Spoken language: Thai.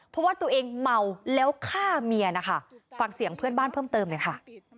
เพราะว่าตัวเองเมาแล้วฆ่าเมียนะคะฟังเสียงเพื่อนบ้านเพิ่มเติมหน่อยค่ะ